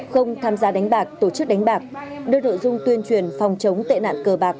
không tham gia đánh bạc tổ chức đánh bạc đưa nội dung tuyên truyền phòng chống tệ nạn cờ bạc